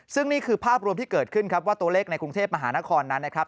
ซึ่งนี่คือภาพรวมที่เกิดขึ้นครับว่าตัวเลขในกรุงเทพมหานครนั้นนะครับ